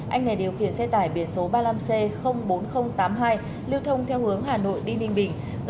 anh này điều khiển xe tải biển số ba mươi năm c bốn nghìn tám mươi hai lưu thông theo hướng hà nội đi ninh bình